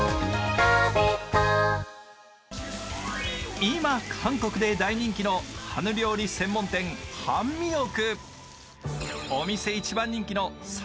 今、韓国で大人気のハヌ料理専門店、ハンミオク。